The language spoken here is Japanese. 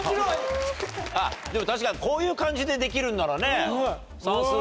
あっでも確かにこういう感じでできるんならね算数